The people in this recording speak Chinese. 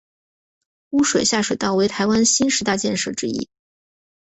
污水下水道为台湾新十大建设之一。